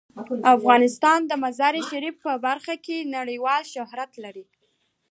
افغانستان د مزارشریف په برخه کې نړیوال شهرت لري.